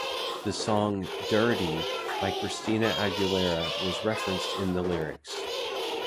The song "Dirrty" by Christina Aguilera was referenced in the lyrics.